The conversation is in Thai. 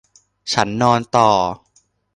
ฉันนอนต่อ